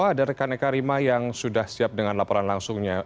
ada rekan eka rima yang sudah siap dengan laporan langsungnya